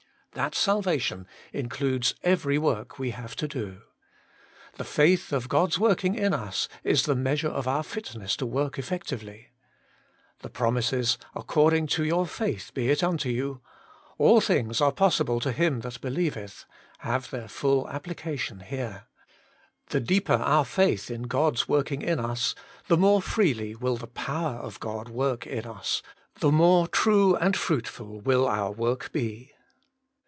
That salvation includes every work we have to do. The faith of God's work ing in us is the measure of our fitness to work effectively. The promises, ' Accord ing to your faith be it unto you,' ' All things are possible to him that beheveth,' have their full application here. The deeper our faith in God's working in us, the more freely will the power of God work in us, the more true and fruitful will our work be.